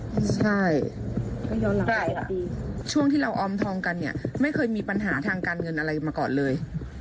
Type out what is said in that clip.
ใช่ช่วงที่เราออมทองกันเนี่ยไม่เคยมีปัญหาทางการเงินอะไรมาก่อนเลย